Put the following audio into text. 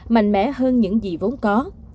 mạnh mẽ hơn những gì vốn có